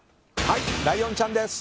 ライオンちゃんです。